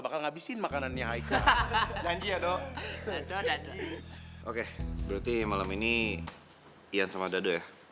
bakal ngabisin makanannya hai hah hahaha oke berarti malam ini ian sama dead